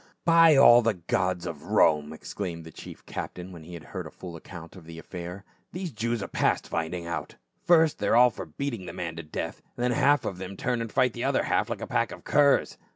" By all the gods of Rome !" exclaimed the chief captain when he had heard a full account of the affair ;" these Jews are past finding out ; first, they are all for beating the man to death, then half of them turn and fight the other half like a pack of curs.